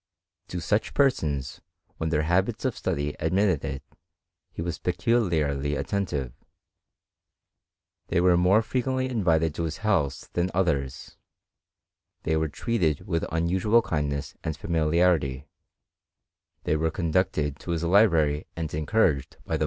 To such persons, when their habits of study admitted it, he was peculiarly attentive : they were more fre quently invited to his house than others, they were treated with unusual kindness and familiarity, they were conducted to his library and encouraged by the 310 HISTORY OF CHEMISTRY.